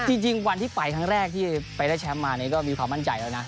จริงวันที่ไปครั้งแรกที่ไปได้แชมป์มานี้ก็มีความมั่นใจแล้วนะ